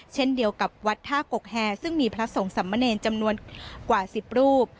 เช่นเดียวกับวัดท่ากกแฮซึ่งมีพระสงฆ์สำเนรจำนวนกว่า๑๐รูป